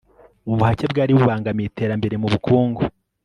ubuhake bwari bubangamiye iterambere mu bukungu